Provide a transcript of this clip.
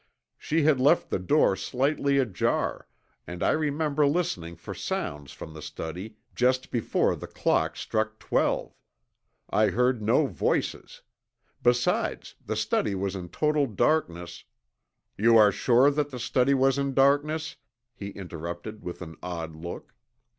She had left the door slightly ajar and I remember listening for sounds from the study just before the clock struck twelve. I heard no voices. Besides, the study was in total darkness " "You are sure the study was in darkness?" he interrupted with an odd look.